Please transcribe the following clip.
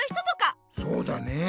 そうだねえ。